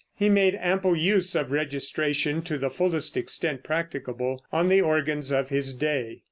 He made ample use of registration to the fullest extent practicable on the organs of his day.